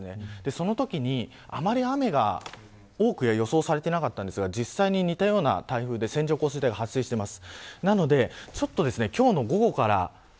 そのときにあまり雨が多くは予想されていなかったんですが、実際似たような台風で線状降水帯が発生しています。